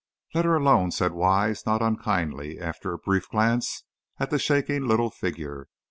"Let her alone," said Wise, not unkindly, after a brief glance at the shaking little figure.